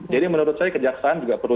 menurut saya kejaksaan juga perlu